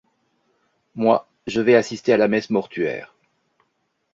Moi, je vais assister à la messe mortuaire.